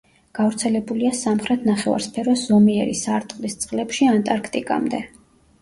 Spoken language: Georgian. გავრცელებულია სამხრეთ ნახევარსფეროს ზომიერი სარტყლის წყლებში ანტარქტიკამდე.